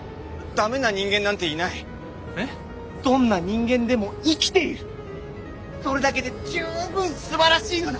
「どんな人間でも生きているそれだけで十分すばらしいのだ。